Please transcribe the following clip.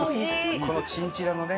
このチンチラのね。